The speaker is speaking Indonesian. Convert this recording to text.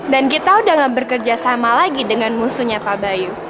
dan kita sudah enggak berkerjasama lagi dengan musuhnya pak bayu